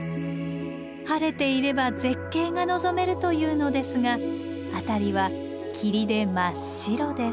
晴れていれば絶景が望めるというのですが辺りは霧で真っ白です。